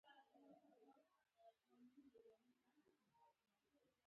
دواړو خواوو توري یو شان نه وو.